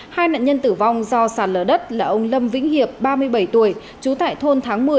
hai nạn nhân tử vong do sạt lở đất là ông lâm vĩnh hiệp ba mươi bảy tuổi trú tại thôn tháng một mươi